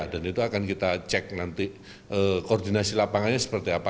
dan itu akan kita cek nanti koordinasi lapangannya seperti apa